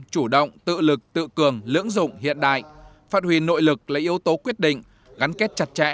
chủ động tự lực tự cường lưỡng dụng hiện đại phát huy nội lực là yếu tố quyết định gắn kết chặt chẽ